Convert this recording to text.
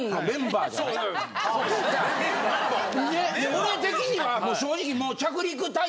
俺的には正直。